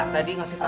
tadi ngasih tau